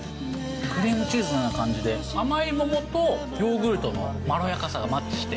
クリームチーズのような感じで、甘い桃とヨーグルトのまろやかさがマッチして。